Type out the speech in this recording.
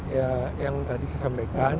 ya yang tadi saya sampaikan